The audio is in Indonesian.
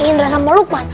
indra sama lukman